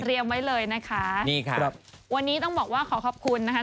ไว้เลยนะคะนี่ครับวันนี้ต้องบอกว่าขอขอบคุณนะคะ